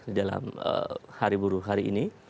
di dalam hari buruh hari ini